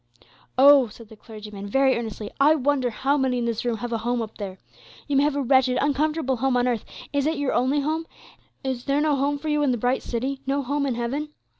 Oh," said the clergyman, very earnestly, "I wonder how many in this room have a home up there. You may have a wretched, uncomfortable home on earth; is it your only home? Is there no home for you in the bright city; no home in heaven?